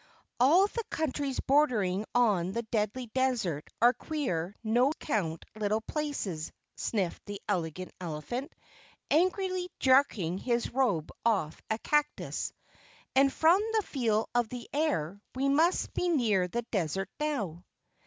"All the countries bordering on the Deadly Desert are queer no count little places," sniffed the Elegant Elephant, angrily jerking his robe off a cactus. "And from the feel of the air, we must be near the desert now."